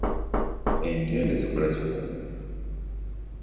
Entende zikola ki kumuntu?